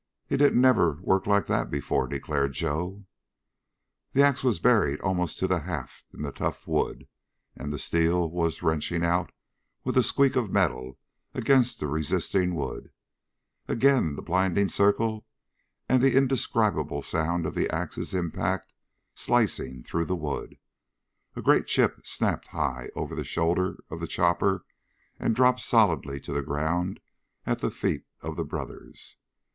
"He didn't never work like that before," declared Joe. The ax was buried almost to the haft in the tough wood, and the steel was wrenching out with a squeak of the metal against the resisting wood. Again the blinding circle and the indescribable sound of the ax's impact, slicing through the wood. A great chip snapped up high over the shoulder of the chopper and dropped solidly to the ground at the feet of the brothers.